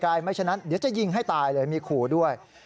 ไม่ฉะนั้นเดี๋ยวจะยิงให้ตายเลยมีขู่ด้วย